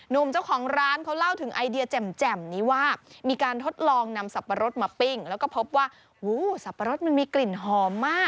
นุ่มเจ้าของร้านเค้าเล่าถึงไอเดียแจ่มนี้ว่ามีการทดลองนำสับปะรดมาปิ้งแล้วก็พบว่า